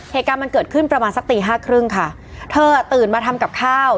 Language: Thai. เหตุการณ์มันเกิดขึ้นประมาณสักตีห้าครึ่งค่ะเธออ่ะตื่นมาทำกับข้าว